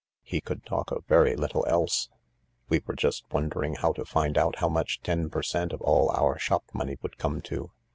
He could talk of very little else," " We were just wondering how to find out how much ten per cent, of all our shop money would come to.